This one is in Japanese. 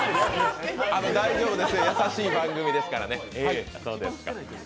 大丈夫ですよ優しい番組ですからね。